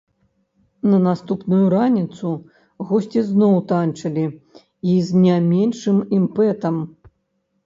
На наступную раніцу госці зноў танчылі, і з не меншым імпэтам!